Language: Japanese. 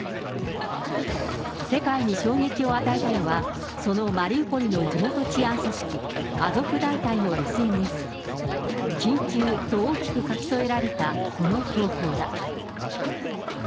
世界に衝撃を与えたのは、そのマリウポリの地元治安組織、アゾフ大隊のＳＮＳ。緊急！と大きく書き添えられたこの投稿だ。